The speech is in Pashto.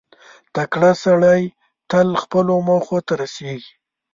• تکړه سړی تل خپلو موخو ته رسېږي.